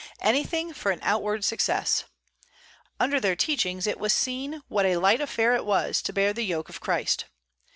Anything for an outward success. Under their teachings it was seen what a light affair it was to bear the yoke of Christ.